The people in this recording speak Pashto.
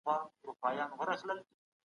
پرمختللي هېوادونه د نوښت کلتور پیاوړی ساتي.